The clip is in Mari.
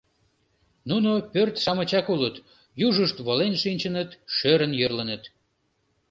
Нуно пӧрт-шамычак улыт, южышт волен шинчыныт, шӧрын йӧрлыныт.